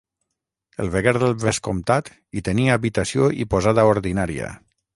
El veguer del vescomtat hi tenia habitació i posada ordinària.